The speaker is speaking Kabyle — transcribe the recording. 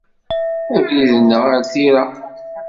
Abrid-nneɣ ar tira.